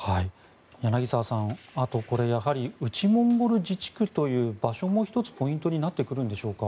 柳澤さん、あとこれ内モンゴル自治区という場所も１つポイントになってくるんでしょうか。